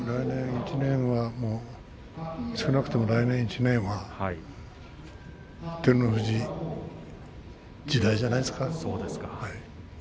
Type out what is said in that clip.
少なくとも来年１年は照ノ富士時代じゃないですか。